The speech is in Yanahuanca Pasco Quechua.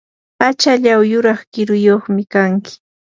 achallaw yuraq kiruyuqmi kanki.